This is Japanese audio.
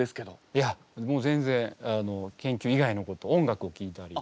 いやもう全然研究以外のこと音楽をきいたり。